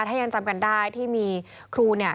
ถ้ายังจำกันได้ที่มีครูเนี่ย